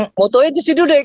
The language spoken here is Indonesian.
tapi foto itu si dudek